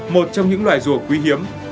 một trong những loài rùa quý hiếm